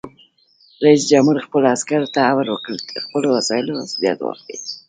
رئیس جمهور خپلو عسکرو ته امر وکړ؛ د خپلو وسایلو مسؤلیت واخلئ!